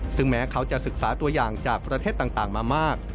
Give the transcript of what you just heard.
ซึ่งแม้เขาจะศึกษาตัวอย่างจากประเทศต่างมามาก